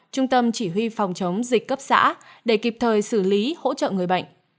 trung tâm chỉ huy phòng chống dịch cấp xã để kịp thời xử lý hỗ trợ người bệnh